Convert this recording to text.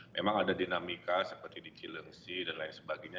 memang ada dinamika seperti di cilengsi dan lain sebagainya